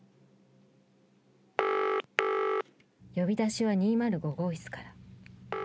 呼び出しは２０５号室から。